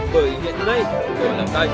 bởi hiện nay của lào cai